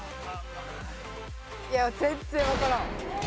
いや全然わからん。